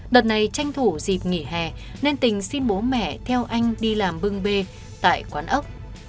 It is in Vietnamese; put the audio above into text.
đợt này tranh thủ dịp nghỉ hè nên tình xin bố mẹ theo anh đi làm bưng bê tại quán ốc